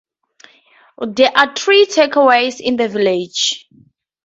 There are three takeaways in the village.